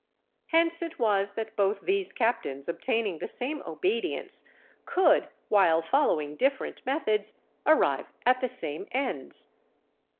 Hence it was that both these captains obtaining the same obedience, could, while following different methods, arrive at the same ends.